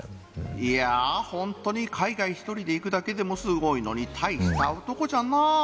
いやホントに海外１人で行くだけでもすごいのに大した男じゃな。